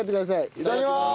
いただきます。